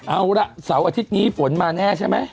เอาล่ะเสาร์อาทิตย์นี้ฝนมาแน่ใช่ไหม